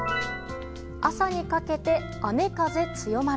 朝にかけて、雨風強まる。